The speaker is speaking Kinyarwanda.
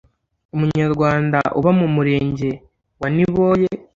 Umunyarwanda uba mu murenge wa niboye